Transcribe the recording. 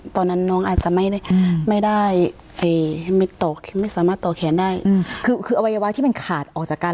ตอนนั้นน้องอาจจะไม่ได้ไม่ได้ต่อแขนได้คือคืออวัยวะที่มันขาดออกจากการ